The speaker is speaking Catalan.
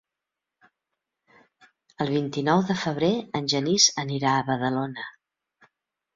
El vint-i-nou de febrer en Genís anirà a Badalona.